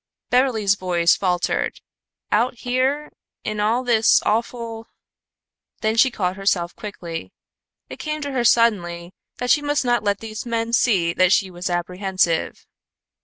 Beverly's voice faltered. "Out here in all this awful " Then she caught herself quickly. It came to her suddenly that she must not let these men see that she was apprehensive.